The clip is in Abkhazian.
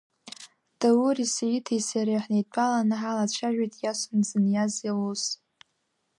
Даури Саидеи сареи ҳнеидтәаланы ҳалацәажәеит Иасон дзыниаз аус.